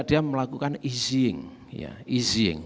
dia melakukan easing